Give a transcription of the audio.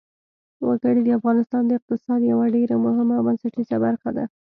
وګړي د افغانستان د اقتصاد یوه ډېره مهمه او بنسټیزه برخه ده.